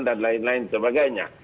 dan lain lain sebagainya